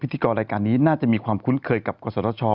ธิกรรายการนี้น่าจะมีความคุ้นเคยกับกศช